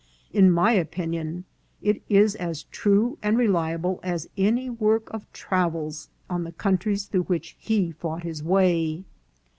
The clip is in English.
In my opinion, it is as true and reliable as any work of travels on the countries through which he fought his way.